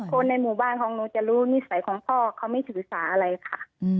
คนในหมู่บ้านของหนูจะรู้นิสัยของพ่อเขาไม่ถือสาอะไรค่ะ